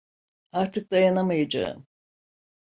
Artık dayanamayacağım.